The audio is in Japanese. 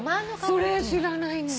それ知らないんだよ。